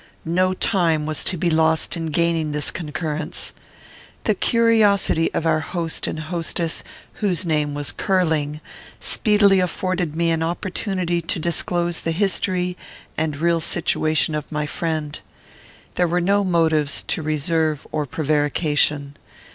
No time was to be lost in gaining this concurrence. The curiosity of our host and hostess, whose name was Curling, speedily afforded me an opportunity to disclose the history and real situation of my friend. There were no motives to reserve or prevarication.